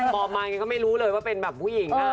พอมายังก็ไม่รู้เลยว่าเป็นแบบผู้หญิง